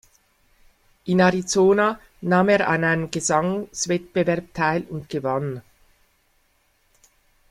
In Arizona nahm er an einem Gesangswettbewerb teil und gewann.